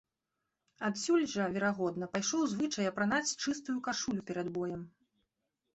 Адсюль жа, верагодна, пайшоў звычай апранаць чыстую кашулю перад боем.